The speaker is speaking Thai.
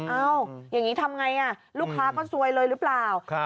อย่างนี้ทำไงลูกค้าก็ซวยเลยหรือเปล่า